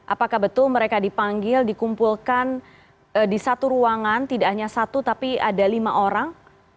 apakah betul mereka dipanggil dikumpulkan di satu ruangan tidak hanya satu tapi ada lima orang